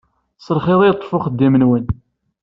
S lxiḍ i yeṭṭef uxeddim-nwen.